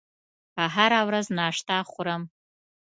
هره ورځ ناشته خورم